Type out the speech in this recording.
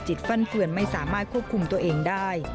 ฟั่นเฟือนไม่สามารถควบคุมตัวเองได้